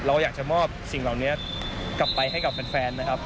เราอยากจะมอบสิ่งเหล่านี้กลับไปให้กับแฟนนะครับ